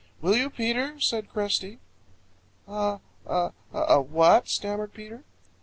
Will you, Peter?" said Cresty. "A a a what?" stammered Peter.